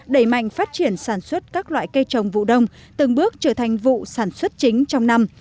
đẩy mạnh phát triển sản xuất các loại cây trồng vụ đông từng bước trở thành vụ sản xuất chính trong năm